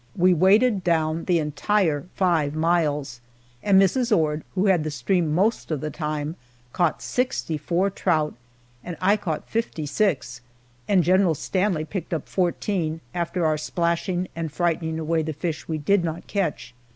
We waded down the entire five miles, and Mrs. Ord, who had the stream most of the time, caught sixty four trout and I caught fifty six, and General Stanley picked up fourteen, after our splashing and frightening away the fish we did not catch.